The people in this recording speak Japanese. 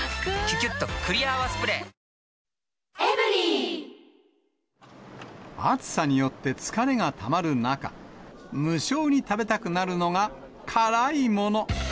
お試し容量も暑さによって疲れがたまる中、無性に食べたくなるのが、辛いもの。